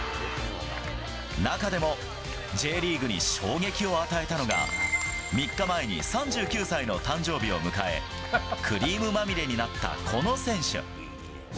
中でも、Ｊリーグに衝撃を与えたのが、３日前に３９歳の誕生日を迎え、クリームまみれになったこの選手。